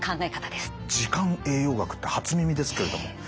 時間栄養学って初耳ですけれども。